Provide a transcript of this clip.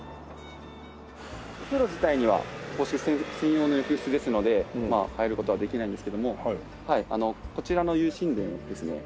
お風呂自体には皇室専用の浴室ですので入る事はできないんですけどもこちらの又新殿をですね